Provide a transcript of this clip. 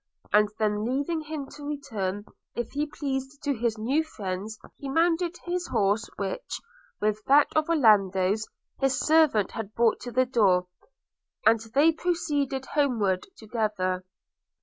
and then, leaving him to return, if he pleased, to his new friends, he mounted his horse, which, with that of Orlando's, his servants had brought to the door, and they proceeded homeward together.